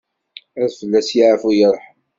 Ad fell-as yeɛfu yerḥem.